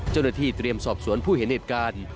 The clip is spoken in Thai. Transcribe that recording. ไปเตรียมสอบสวนผู้เห็นเหตุการณ์